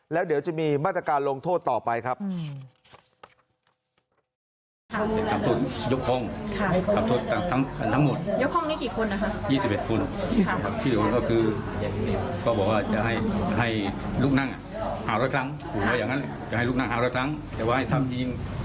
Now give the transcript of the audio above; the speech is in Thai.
แล้วเดี๋ยวจะมีบรรตการลงโทษต่อไป